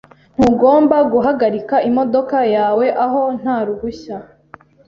Ntugomba guhagarika imodoka yawe aho nta ruhushya .